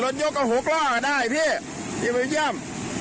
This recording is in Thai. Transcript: รถยกเอา๖รอบก็ได้พี่ดีไปเยี่ยม